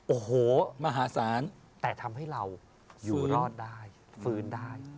โอ้โหมหาศาลแต่ทำให้เราอยู่รอดได้ฟื้นได้